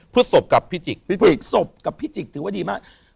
พฤศพกและพิจิก